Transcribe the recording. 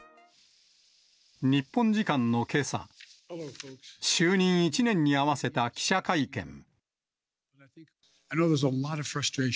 日本時間のけさ、就任１年に合わせた記者会見。